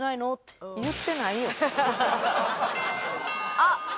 あっ！